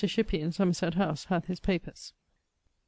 Shipey in Somerset house hath his papers.